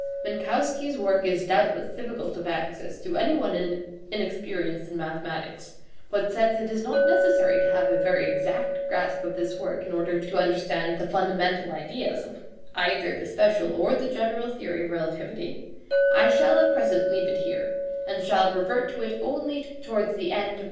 Minkowski's work is doubtless difficult of access to anyone inexperienced in mathematics, but since it is not necessary to have a very exact grasp of this work in order to understand the fundamental ideas of either the special or the general theory of relativity, I shall leave it here at present, and revert to it only towards the end of Part 2.